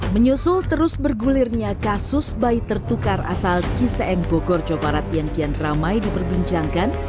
menyusul terus bergulirnya kasus bayi tertukar asal ciseeng bogor jawa barat yang kian ramai diperbincangkan